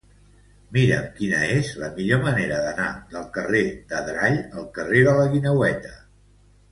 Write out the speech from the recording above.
Mira'm quina és la millor manera d'anar del carrer d'Adrall al carrer de la Guineueta.